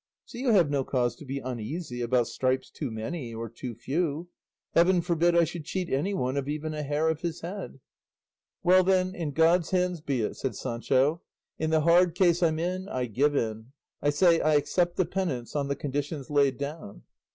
So you have no cause to be uneasy about stripes too many or too few; heaven forbid I should cheat anyone of even a hair of his head." "Well then, in God's hands be it," said Sancho; "in the hard case I'm in I give in; I say I accept the penance on the conditions laid down."